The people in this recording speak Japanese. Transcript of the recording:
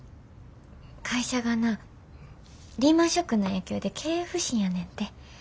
会社がなリーマンショックの影響で経営不振やねんて。